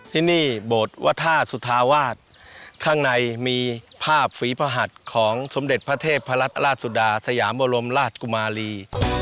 ที่นี่โบสถวัฒนสุธาวาสข้างในมีภาพฝีพระหัสของสมเด็จพระเทพรัชราชสุดาสยามบรมราชกุมารี